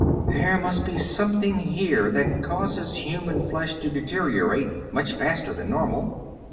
There must be something here that causes human flesh to deteriorate much faster than normal."